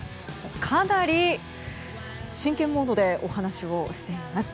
かなり真剣モードでお話をしています。